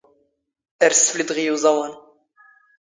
ⴰⵔ ⵙⵙⴼⵍⵉⴷⵖ ⵉ ⵓⵥⴰⵡⴰⵏ.